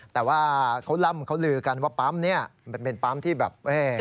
แต่ว่าเขาล่ำเขาลือกันว่าปั๊มนี้มันเป็นปั๊มที่แบบ